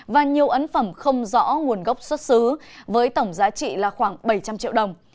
và nhiều ấn phẩm không rõ nguồn gốc xuất xứ với tổng giá trị là khoảng bảy trăm linh triệu đồng